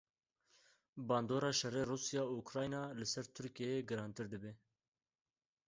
Bandora şerê Rûsya û Ukrayna li ser Tirkiyeyê girantir dibe.